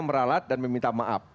meralat dan meminta maaf